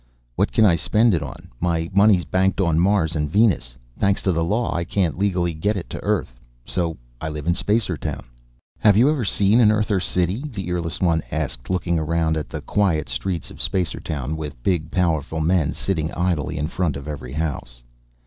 What can I spend it on? My money's banked on Mars and Venus. Thanks to the law I can't legally get it to Earth. So I live in Spacertown." "Have you ever seen an Earther city?" the earless one asked, looking around at the quiet streets of Spacertown with big powerful men sitting idly in front of every house.